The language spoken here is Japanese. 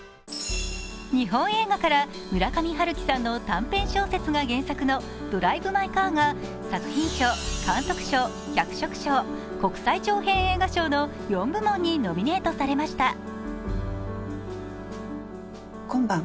日本映画から村上春樹さんの短編小説が原作の「ドライブ・マイ・カー」が作品賞、監督賞、脚色賞国際長編映画賞の４部門にノミネートされました。